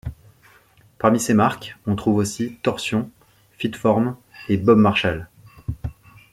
Parmi ces marques, on trouve aussi Torsion, Fitform et Bob Marshall.